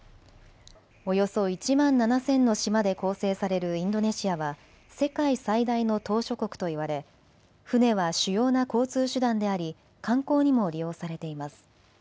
およそ１万７０００の島で構成されるインドネシアは世界最大の島しょ国といわれ船は主要な交通手段であり観光にも利用されています。